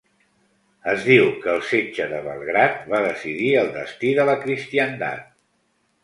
Es diu que el setge de Belgrad va decidir el destí de la Cristiandat.